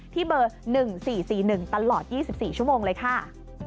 เบอร์๑๔๔๑ตลอด๒๔ชั่วโมงเลยค่ะ